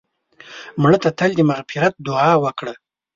مړه ته تل د مغفرت دعا وکړه